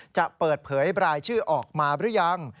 จะเปิดเผยรายชื่อออกมาหรือยัง